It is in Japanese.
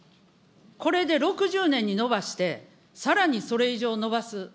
これで６０年に延ばして、さらにそれ以上延ばす。